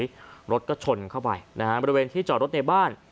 ตอนนี้รถก็ชนเข้าไปนะฮะบริเวณที่จอดรถในบ้าน